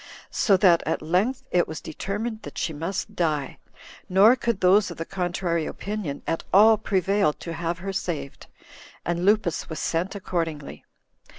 So that at length it was determined that she must die; nor could those of the contrary opinion at all prevail to have her saved; and Lupus was sent accordingly.